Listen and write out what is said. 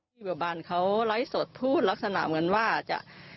พยาบาลเขาไลฟ์สดพูดลักษณะเหมือนว่าจะ